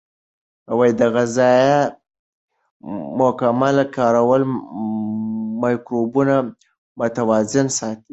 د غذایي مکملونو کارول مایکروبونه متوازن ساتي.